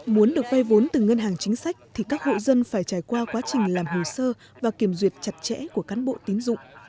muốn được vay vốn từ ngân hàng chính sách thì các hộ dân phải trải qua quá trình làm hồ sơ và kiểm duyệt chặt chẽ của cán bộ tiến dụng